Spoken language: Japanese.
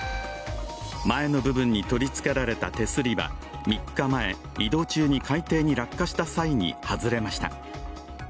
前の部分に取り付けられた手すりは３日前、移動中に海底に落下した際に外れました。